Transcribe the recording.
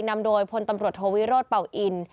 นำโดยพลตำรวจโทวิโรธเป่าอิน